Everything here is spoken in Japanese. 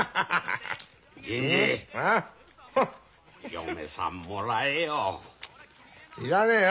嫁さんもらえよ。